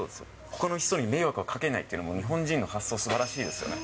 ほかの人に迷惑をかけないっていうのも、日本人の発想、すばらしいですよね。